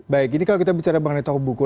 baik ini kalau kita bicara mengenai toko buku